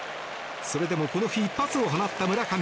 それでもこの日一発を放った村上。